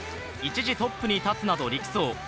一時トップに立つなど力走。